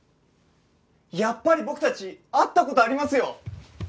やっぱり僕たち会った事ありますよ！